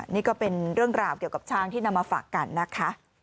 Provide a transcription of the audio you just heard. นี่ก็เป็นเรื่องราวเกี่ยวกับช้างที่นำมาฝากกันนะคะ